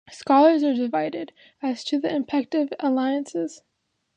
Scholars are divided as to the impact of alliances.